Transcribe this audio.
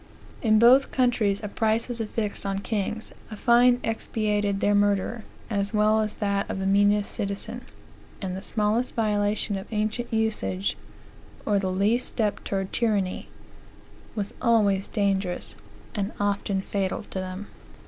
In both countries, a price was affixed on kings, a fine expiated their murder, as well as that of the meanest citizen; and the smallest violation of ancient usage, or the least step towards tyranny, was always dangerous, and often fatal to them."